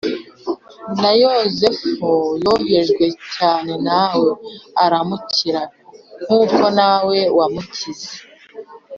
Na Yosefu yohejwe cyane nawe, aramukira, nk’uko nawe wamukize